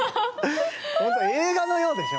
本当映画のようでしょ？